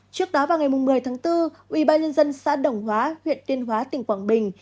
trước đó vào ngày một mươi tháng bốn ubnd xã đồng hóa huyện tuyên hóa tỉnh quảng bình